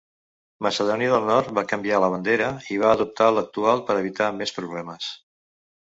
Macedònia del Nord va canviar la bandera i va adoptar l'actual per evitar més problemes.